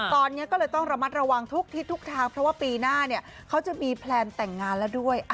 ตอนนี้ก็เลยต้องระมัดระวังทุกทิศทุกทางเพราะว่าปีหน้าเนี่ยเขาจะมีแพลนแต่งงานแล้วด้วย